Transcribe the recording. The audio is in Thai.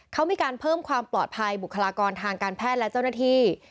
เขามีการเพิ่มความปลอดภัยบุคลากรทางการแพทย์และเจ้าหน้าที่